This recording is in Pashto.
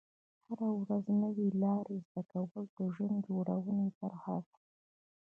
هره ورځ نوې لارې زده کول د ژوند جوړونې برخه ده.